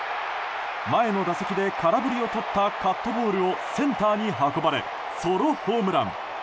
前の打席で空振りをとったカットボールをセンターに運ばれソロホームラン。